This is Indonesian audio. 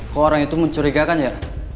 ke orang itu mencurigakan ya